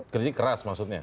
kritik keras maksudnya